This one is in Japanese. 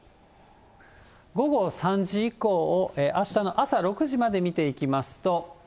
午後３時以降、あしたの朝６時まで見ていきますと。